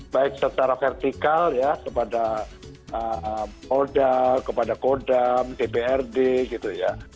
baik secara vertikal ya kepada polda kepada kodam dprd gitu ya